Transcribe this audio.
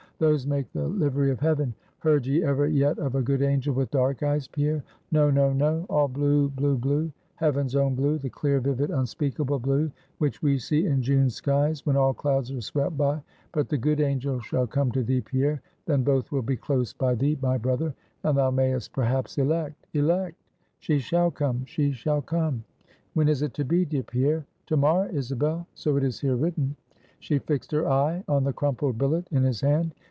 Those make the livery of heaven! Heard ye ever yet of a good angel with dark eyes, Pierre? no, no, no all blue, blue, blue heaven's own blue the clear, vivid, unspeakable blue, which we see in June skies, when all clouds are swept by. But the good angel shall come to thee, Pierre. Then both will be close by thee, my brother; and thou mayest perhaps elect, elect! She shall come; she shall come. When is it to be, dear Pierre?" "To morrow, Isabel. So it is here written." She fixed her eye on the crumpled billet in his hand.